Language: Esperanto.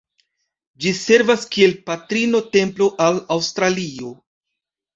Ĝi servas kiel "Patrino-Templo" al Aŭstralio.